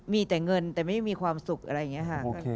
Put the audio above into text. มีแต่เงินแต่ไม่มีความสุขอะไรอย่างนี้ค่ะ